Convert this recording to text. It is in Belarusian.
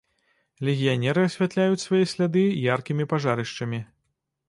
Легіянеры асвятляюць свае сляды яркімі пажарышчамі.